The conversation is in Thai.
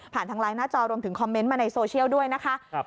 ทางไลน์หน้าจอรวมถึงคอมเมนต์มาในโซเชียลด้วยนะคะ